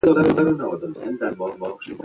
یاقوت د افغانستان په اوږده تاریخ کې ذکر شوی دی.